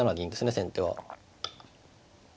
先手は。